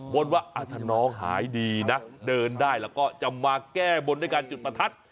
บนว่าถ้าน้องหายดีนะเดินได้แล้วก็จะมาแก้บนด้วยการจุดประทัด